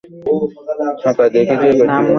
বিদায়, শেফ।